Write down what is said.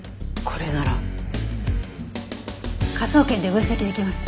「これなら」？科捜研で分析できます。